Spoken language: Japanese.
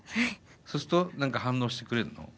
そうすると何か反応してくれるの？